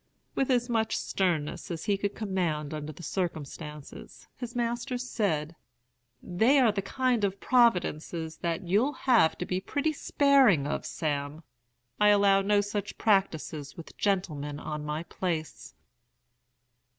"With as much sternness as he could command under the circumstances, his master said, 'They are a kind of providences that you'll have to be pretty sparing of, Sam. I allow no such practices with gentlemen on my place.'